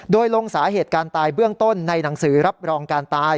โดยลงสาเหตุการตายเบื้องต้นในหนังสือรับรองการตาย